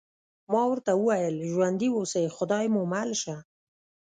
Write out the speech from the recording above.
ما ورته وویل: ژوندي اوسئ، خدای مو مل شه.